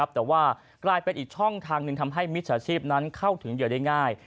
แต่ว่ากลายเป็นอีกช่องทางหนึ่งทำให้มิจฉาชีพนั้นเข้าถึงเหยื่อได้ง่าย